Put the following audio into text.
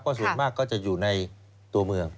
ส่วนมากก็จะอยู่ในตัวเมือง